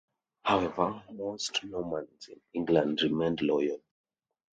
However, most Normans in England remained loyal.